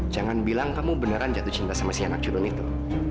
jangan bilang kamu beneran jatuh cinta sama si anak curun itu